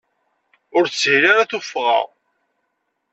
Ur teshil ara tuffɣa.